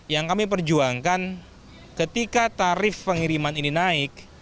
yang kami perjuangkan ketika tarif pengiriman ini naik